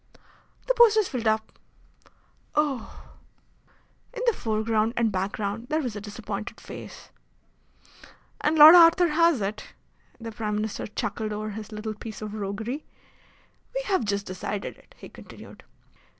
"The post is filled up." "Oh!" In the foreground and background there was a disappointed face. "And Lord Arthur has it." The Prime Minister chuckled over his little piece of roguery. "We have just decided it," he continued.